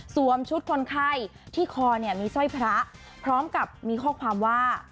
ชุดคนไข้ที่คอเนี่ยมีสร้อยพระพร้อมกับมีข้อความว่า